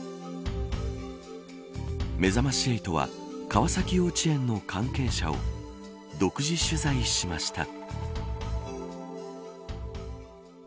めざまし８は川崎幼稚園の関係者を独自取材しました。